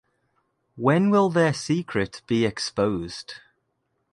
When will their secret be exposed?